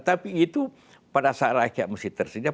tapi itu pada saat rakyat mesti tersedia